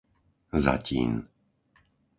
Zatín